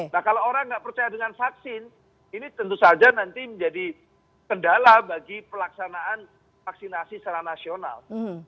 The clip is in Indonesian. nah kalau orang nggak percaya dengan vaksin ini tentu saja nanti menjadi kendala bagi pelaksanaan vaksinasi secara nasional